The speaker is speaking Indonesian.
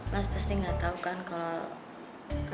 mas pasti gak tau kan kalo